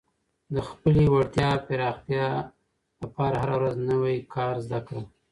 د خپلې وړتیا پراختیا لپاره هره ورځ نوی کار زده کړه.